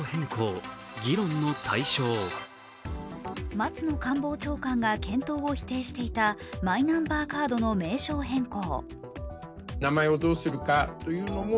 松野官房長官が検討を否定していたマイナンバーカードの名称変更。